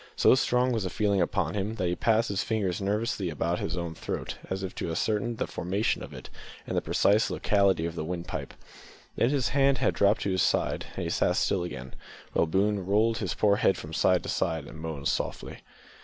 So strong was the feeling upon him that he passed his fingers nervously about his own throat, as if to ascertain the formation of it and the precise locality of the windpipe. Then his hand dropped to his side, and he sat still again, while Boone rolled his poor head from side to side and moaned softly.